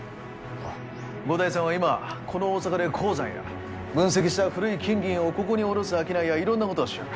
五代さんは今この大阪で鉱山や分析した古い金銀をここにおろす商いやいろんなことをしよる。